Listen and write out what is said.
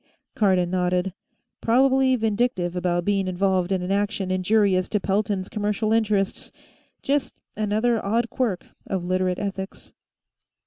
Cardon nodded. Probably vindictive about being involved in action injurious to Pelton's commercial interests; just another odd quirk of Literate ethics.